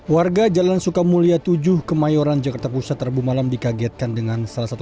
warga jalan sukamulya tujuh kemayoran jakarta pusat rabu malam dikagetkan dengan salah satu